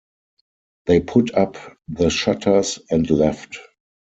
They put up the shutters, and left.